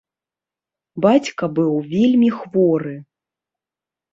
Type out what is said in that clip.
Бацька быў вельмі хворы.